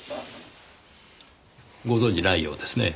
ご存じないようですね。